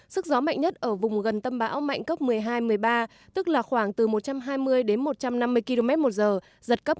sức gió mạnh nhất ở vùng gần tâm bão mạnh cấp một mươi hai một mươi ba tức là khoảng từ một trăm hai mươi đến một trăm năm mươi km một giờ giật cấp một mươi hai